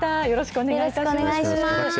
よろしくお願いします。